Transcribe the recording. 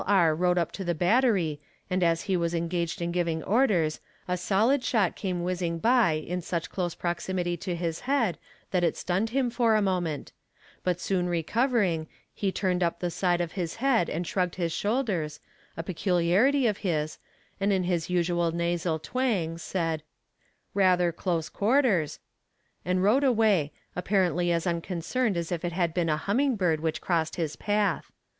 R. rode up to the battery, and as he was engaged in giving orders, a solid shot came whizzing by in such close proximity to his head, that it stunned him for a moment; but soon recovering, he turned up the side of his head and shrugged his shoulders, a peculiarity of his, and in his usual nasal twang, said, "rather close quarters," and rode away, apparently as unconcerned as if it had been a humming bird which crossed his path.